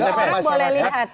semua orang boleh lihat